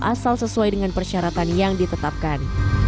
asal sesuai dengan persyaratan yang ditetapkan